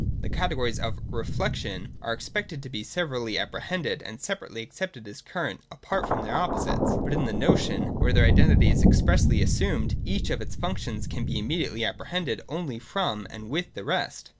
The categories of 'reflection' are expected to be severally apprehended and separately accepted as current, apart from their opposites. But in the notion, where their identity is expressly assumed, each of its functions can be immediately apprehended only from and with the rest.